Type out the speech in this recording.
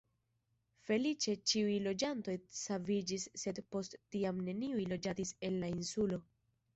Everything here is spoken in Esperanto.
Feliĉe ĉiuj loĝantoj saviĝis sed post tiam neniuj loĝadis en la insulo.